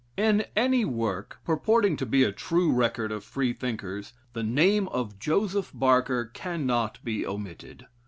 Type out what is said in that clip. In any work, purporting to be a true record of Freethinkers, the name of Joseph Barker cannot be omitted.